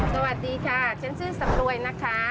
สวัสดีค่ะชื่อซับรวยนะคะ